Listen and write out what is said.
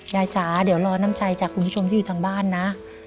จ๋าเดี๋ยวรอน้ำใจจากคุณผู้ชมที่อยู่ทางบ้านนะ